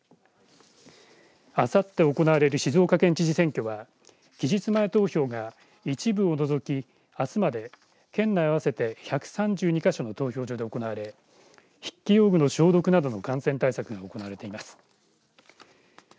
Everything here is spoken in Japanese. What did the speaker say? あさって行われる静岡県知事選挙は期日前投票が一部を除きあすまで県内合わせて１３２か所の投票所で行われ筆記用具の消毒などの感染対策が行われています。